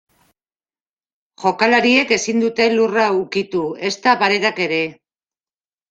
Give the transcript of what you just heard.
Jokalariek ezin dute lurra ukitu ezta paretak ere.